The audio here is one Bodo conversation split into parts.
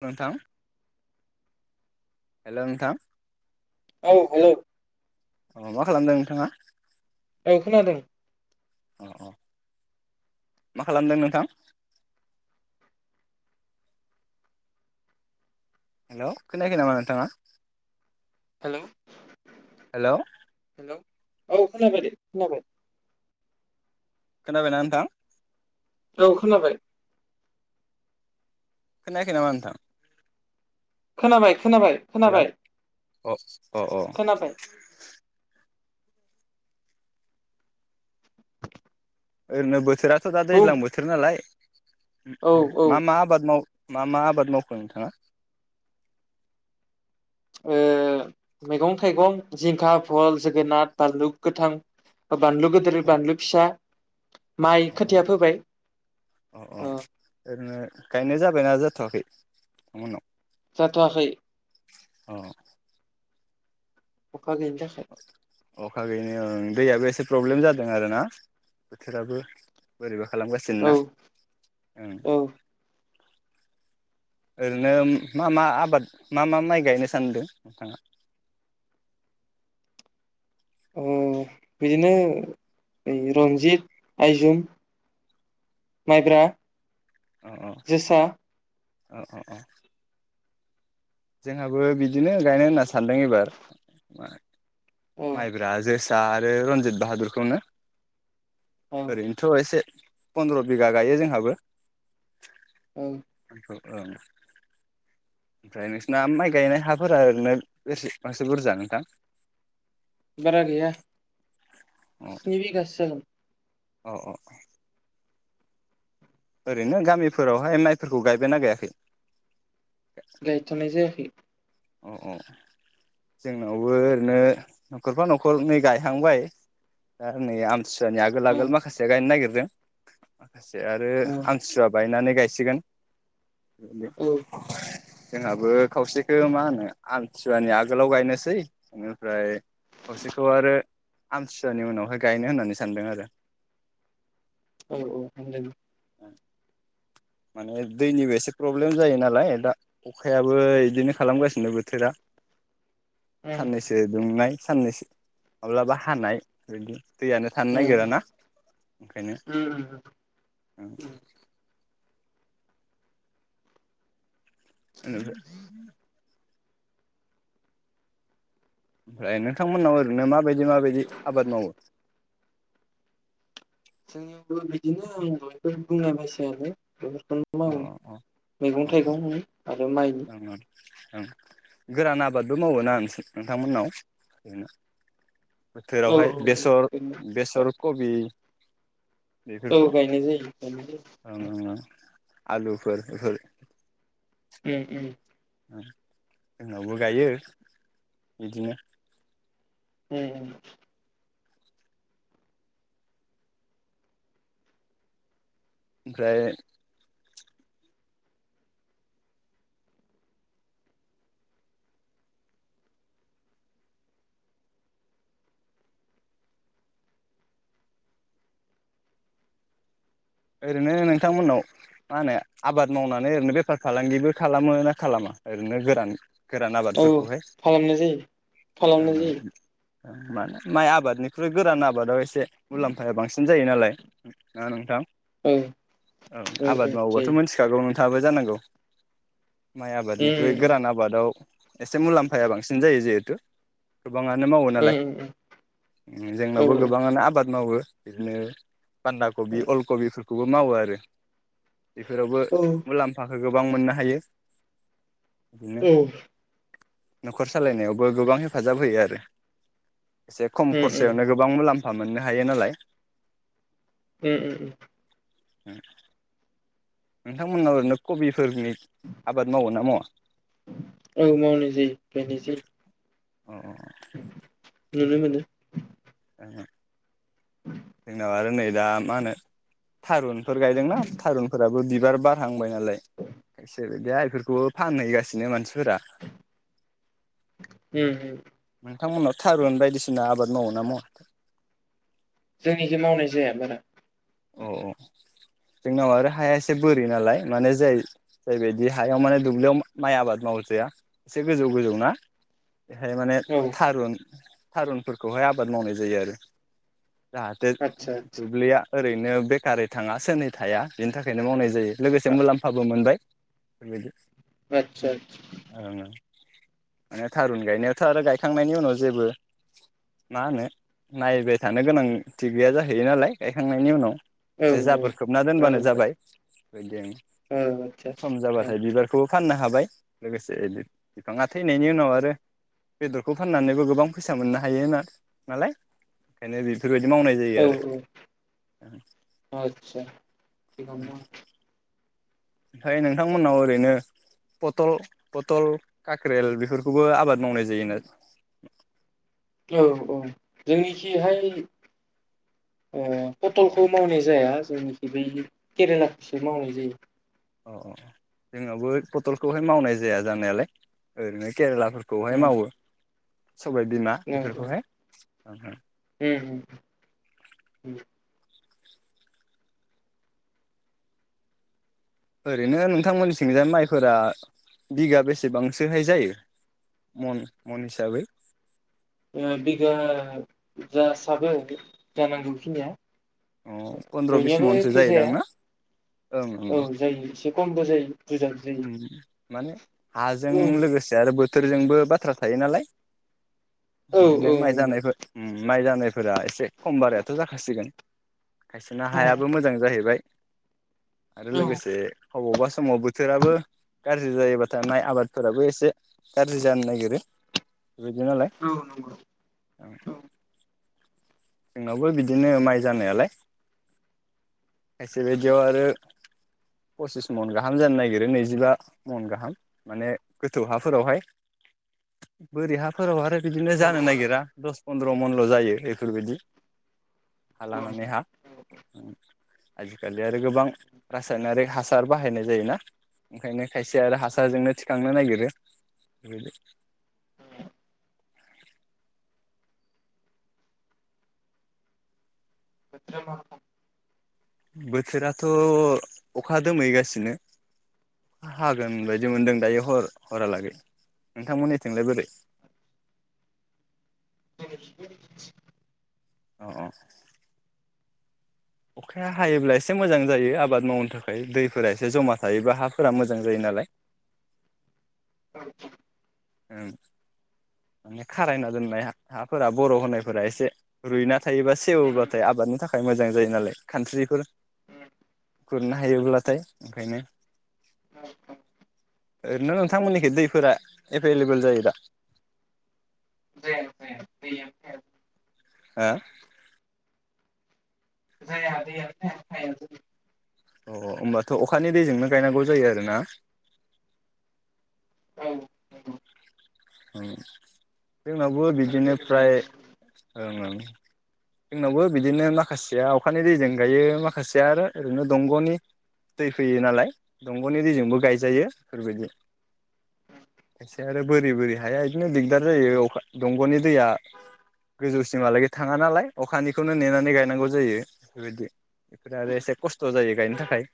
नोंथां हेल' नोंथां औ हेल' अ मा खालामदों नोंथाङा औ खोनादों अ अ मा खालामदों नोंथां हेल' खोनायाखै नामा नोंथाङा हेल' हेल' औ खोनाबाय दे खोनाबाय। खोनाबना नोंथां? औ खोनाबाय। खोनायाखै नामा नोंथां? खोना बाय। खोनाबाय हेल' खोनाबाय। अ' अ' अ' खोनाबाय ओरैनो बोथोरा थ' दा बुं दैज्लां बोथोर नालाय औ मा मा आबाद माव मा मा आबाद मावखो नोंथाङा? मैगं थाइगं, जिंखा, भल, जोगोनार, बानलु गोथां बानलु गोदेर बानलु फिसा माइ अ अ खोथिया फोबाय अ' ओरैनो गायनाय जाबायना जाथ'वाखै नोंथांमोननाव? जाथआखै। औ। अखा गोयैनि थाखाय अखा गैयैनो ओं दैयाबो एसे प्रब्लेम जादों आरोना बोथोराबो बोरैबा खालामगासिनो औ ना? औ ओरैनो मा मा आबाद मा मा माइ गायनो सानदों नोंथाङा? बिदिनो रन्जित, आइजुम, माइब्रा अ अ जोसा अ अ अ। जोंहाबो बिदिनो गायनो होनना सानदों एबार म औ माइब्रा, जोसा जोसा आरो रनजित बाहादुरखौनो औ ओरैनोथ' एसे फन्द्र' बिघा गायो जोंहाबो। औ। ओं ओमफ्राय नोंसना माइ गायनाय हाफोरा ओरैनो बेसे बांसिन बुरजा नोंथां? बारा गैया स्नि बिगा सो जागोन औ। औ औ। ओरैनो गामिफोरावहाय माइफोरखौ गायबायना गायाखै? गायथ'नाय जायाखै। अ अ जोंनावबो ओरैनो न'खरफा न'खरनै गायहांबाय दा नै आम थिसुआनि आगोल औ आगोल माखासेया गायनो नागिर दों माखासे आरो औ आमथिसुवा बायनानै गायसिगोन औ [inaudible] जोंहाबो खावस ओ मा होनो आम थिसुवानि आगोलाव गायनोसै इनिफ्राय खावसेखौ आरो आमथिसुवानि उनावहाय गायनो होननानै सानदों आरो। औ औ [inaudible] उम माने दैनिबो एसे प्रब्लेम जायो नालाय ओ दा अखायाबो इदिनो खालामगासिनो बोथोरा उम साननैसो दुंनाय साननैसो माब्लाबा हानाय बिदि दैयानो थानो उम नागिराना ओंखायनो उम उम [unintelligible] ओमफ्राय नोंथांमोननाव ओरैनो माबायदि माबायदि आबाद मावो? जोंनिआवबो बिदिनो आं दहायबो बुंनाय बायसायानो [unintelligible] अ मावो मैगं अ थाइगं होन आरो माइनि ओं ओं ओं गोरान आबादबो मावो ना नोंथांमोननाव? [inaudible] औ बोथोरावहाय बेसर बेसर कबि औ बेफोरखौ ओ गायनाय जायो गायनाय जायो आलुफोर एफोर ओम ओम ओं जोंनावबो गायो बिदिनो ओम ओम ओमफ्राय ओरैनो नोंथांमोननाव मा होनो आबाद मावनानै ओरैनो बेफार फालांगिबो खालामो ना खालामा ओरैनो गोरान गोरान औ आबादफोरखौहाय खालामनाय जायो खालामनाय जायो। ओं मानो माइ आबादनिख्रुइ गोरान आबादाव एसे मुलाम्फाया बांसिन जायो नालाय [inaudible] नोंथां औ औ औ आबाद मावोबाथ' जायो मिनथिखागौ नों थाङाबो जानांगौ माइ आबादनिख्रुइ उम गोरान आबादाव एसे मुलाम्फाया बांसिन जायो जिहेथु गोबाङानो मावो नालाय उम उम ओ औ जोंनावबो गोबाङानो आबाद मावो बिदिनो बान्दाबि अलकबि फुल खौबो मावो आरो। बेफोरावबो औ मुलाम्फाखो गोबां मोननो हायो। बिदिनो औ न'खर सालायनायावबो गोबां हेफाजाब होयो आरो- एसे खम उम खरसयावनो उम गोबां मुलाम फा मोननो हायो नालाय। ओम ओम ओम [unintelligible] नोंथांमोननाव ओरैनो कबि फोरनि आबाद मावो ना मावा? औ मावनाय जायो गायनाय जायो। अ अ अ नुनो मोनो। [inaudible] जोंनाव आरो नै दा मा होनो थारुन फोर गायदोंना थारुनफोराबो बिबार बारहांबाय नालाय खायसे या बेफोरखौबो फानहैगासिनो मानसि उम -उम नोंथांमोननाव थारुन बायदिसिना आबाद मावोना मावा? जोंनिखै मावनाय जाया बारा। अ अ जोंनाव आरो हाया एसे बोरि नालाय माने जाय जायबायदि हायाव माने दुब्लियाव माइ आबाद मावजाया एसे गोजौ गोजौ ना बेहाय माने औ थारुन थारुनफोरखौहाय आबाद मावनाय जायो आरो। जाहाथे दुब्लिया ओरैनो बेखारै थाङा सोरनै थाया बिनि थाखायनो मावनाय जायो। लोगोसे मुलाम्फाबो मोनबाय। [unintelligible] आतसा आ ओं माने थारुन गायनायावथ' आरो गायखांनायनि उनाव जेबो मा होनो नायबाय थानो गोनांथि गैया जाहैयो नालाय थांनायनि उनाव एसे जाबोर खोबना दोनबानो जाबाय। बेदि ओं सम जाबाथाय बिबारखौबो फाननो हा हाबाय लोगोसेनो बिफाङा थैनायनि उनाव आरो बेदरखौ फाननानैबो गोबां फैसा मोननो हायो नालाय ओंखायनो बे बेफोरबायदि मावनाय जायो आरो। आतसा [unintelligible] ओमफाय नोंथांमोननाव ओरैनो पटल पटल काख्रेल बेफोरखौबो आबाद मावनाय जायोना? औ औ जोंनिखिहाय ओ पटलखौ मावनाय जाया जोंनिखि बै केरेलाखौसो मावनाय जायो। अ जोंनाबो पथलखौहाय मावनाय जाया जानायालाय ओरैनो केरेला फोरखौहाय उम मावो। सबायबिमा औ, औ। बेफोरखौहाय ओं। उम, उम, उम ओरैनो नोंथांमोननि सिंजा माइफोरा बिगा बेसेबांसोहाय जायो मन मन हिसाबै? बिगा जासाबो जानांगौखिनिया। अ पन्द्र' बिस बयनियाबो मनसो एखे जयो जाया। दांना ना? उम औ उम जायो एसे खमबो जायो बुरजाबो जायो। उम माने हाजों उम लोगोसे आरो बो थोरजोंबो बाथ्रा थायो नालाय। औ, बिदिनो औ माइ नंगौ। जानायफोर उम माइ जानाय फोरख एसे खम बारायाथ' जाखासिगोन। खायसेना उम हायाबो मोजां जाहैबाय। आरो औ, लोगोसे औ अबावबा समाव बोथोराबो गाज्रि जायोबाथाय आबादफोराबो एसे गाज्रि जानो नागिरो। बेबायदि नालाय नंगौ। उम। औ, जोंनावबो बिदिनो माइ जानायालाय एसे बायदियाव आरो पसिस मन गाहाम जानो नागिरो नैजिबा मन गाहाम माने गोथौ हाफोरावहाय बोरि हाफोराव आरो बिदिनो औ, जानो नागिरा दस फन्द्र मनल' जायो बेफोरबायदि। हा औ लानानै हा उम आजिखालि आरो गोबां रासायनारिक हासार बाहायनाय जायोना ओंखायनो खायसे आरो हासाराजोंनो थिखांनो नागिरो। [unintelligible] बोथोरा मा रखम? बोथोराथ' अखा दोमैगासिनो अखा हागोन बायदि मोनदों दायो हर हरहालागै नोंथांमोननिथिंलाय बोरै? [unintelligible] अ अ अखाया हायोब्ला एसे मोजां जायो आबाद मावनो थाखाय दैफोरा एसे जमा थायोबा हाफोरा मोजां जायो नालाय [unintelligible] ओं माने खारायना दोननाय हाफोरा बर होनायफोरा एसे रुइना थायोबा सेवबाथाय आबादनि थाखाय मोजां जायो नालाय कान्ट्रिफोर खुरनो हायोब्लाथाय ओंखायनो [unintelligible] ओरैनो नोंथांमोननिख दैफोरा एभेलेबेल जायो दा [unintelligible] हा जाया दैयानो जाया [unintelligible] अ होमबाथ अखानि दैजोंनो गायनांगौ जायो आरो ना औ औ जोंनावबो बिदिनो दै फ्राय लोंनायनि जोंनावबो बिदिनो माखासेया अखानि दैजों गायो माखासेया आरो ओरैनो दंगनि दै फैयो नालाय दंगनि दैजोंबो गायजायो बेफोरबायदि खायसेहा आरो बारि बोरि हाया बिदिनो दिगदार जायो अखा दंगनि दैया गोजौसिमहालागै थाङा नालाय अखानिखौनो नेनानै गायनांगौ जायो बेफोरबायदि बेफोर आरो एसे खस्थ जायो गायनो थाखाय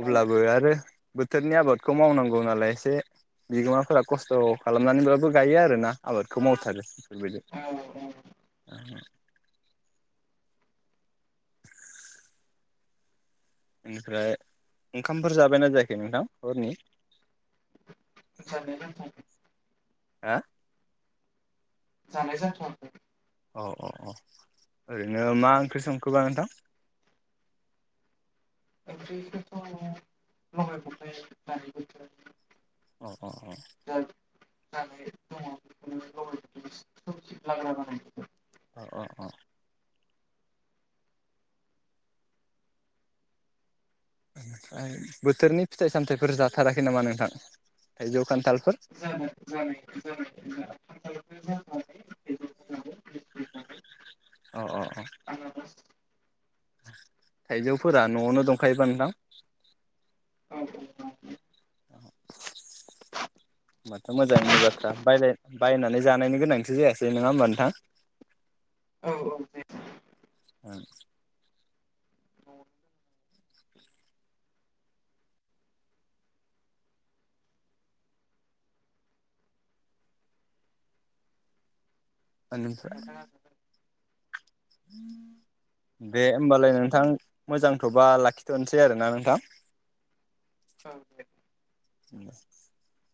औ आरो बोथोरनि आबादखौ मावनांगौ नालाय एसे बिगोमाफोरा खस्थ खालामनानैब्लााबबो गायो आरोना आबादखौ मावथारो बेफोरबायदि औ औ बेनिफ्राय ओंखामफोर जाबायना जायाखै नोंथां हरनि जानो जाथयाखै हा जानाय जाथ आखै औ औ औ ओरैनो मा ओंख्रि संखोबा नोंथां [unintelligible] अ अ अ जा [unintelligible] अ ओ ओ ओमफ्राय बोथोरनि फिथाइ सामथायाइफोर जाथाराखै नामा नोंथां थाइजौ खान्थालफोर जानाय जानाय जानाय जा [unintelligible] [unintelligible] अ अ अ थाइजौफोरा न'आवनो दंखायोबा नोंथां औ औ औ होमबाथ' मोजांनि बाथ्रा बायलाय बायनानै जानायनि गोनांथि जायासै नंङा होमबा नोंथां औ औ [unintelligible] [unintelligible] [unintelligible] दे होमबालाय नोंथां मोजांथ'बा लाखिथ'नोसै आरोना नोंथां। औ दे। [unintelligible]